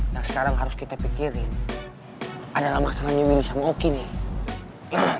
yang sekarang harus kita pikirin adalah masalah nyuri sama oki nih